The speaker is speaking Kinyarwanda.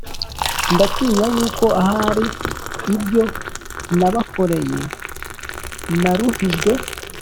Ndatinya yuko ahari ibyo nabakoreye naruhijwe